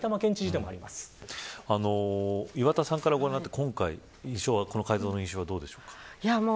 岩田さんからご覧になってこの改造の印象はどうですか。